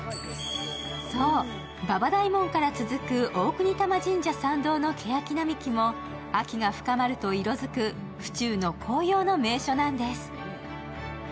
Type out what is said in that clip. そう、馬場大門から続く大國魂神社参道のけやき並木も秋が深まると色づく府中の紅葉の名所なんです。